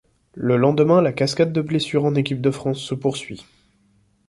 Le lendemain, la cascade de blessures en équipe de France se poursuit.